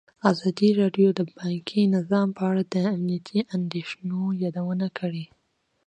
ازادي راډیو د بانکي نظام په اړه د امنیتي اندېښنو یادونه کړې.